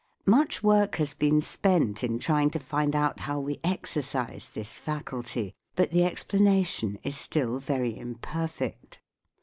Much work has been spent in trying to find out how we exercise this faculty, but the explanation is still very imperfect.